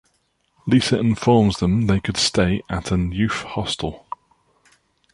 Lisa informs them they could stay at an youth hostel.